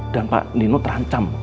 dan pak nino terancam